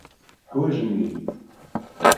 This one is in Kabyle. Ḥwajen-iyi.